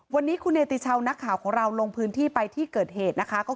วันนี้คุณเนติชาวนักข่าวของเราลงพื้นที่ไปที่เกิดเหตุนะคะ